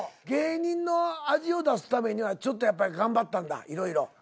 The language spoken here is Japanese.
芸人の味を出すためにはちょっとやっぱり頑張ったんだいろいろ。